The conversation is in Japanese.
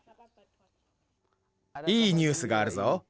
いいニュースがあるぞ。